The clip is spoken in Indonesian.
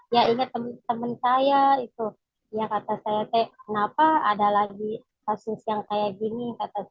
ya ini temen saya kata saya kenapa ada lagi kasus yang kayak gini